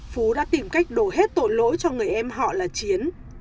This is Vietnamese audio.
phú đã tìm cách đổ hết tội lỗi cho người em họ là chiến